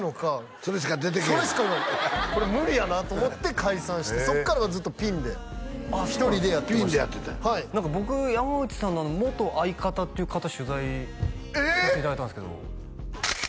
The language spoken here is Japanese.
それしか言わないこれ無理やなと思って解散してそっからはずっとピンでピンでやってたんやはい僕山内さんの元相方っていう方取材させていただいたんですけどええ！？